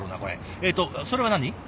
えっとそれは何？